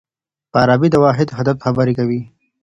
فارابي د واحد هدف خبري کوي.